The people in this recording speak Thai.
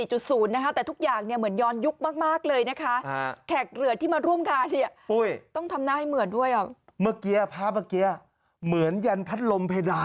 หน้าของวันนี้ไม่ต้องแต่งล้างหน้าสดไปนะ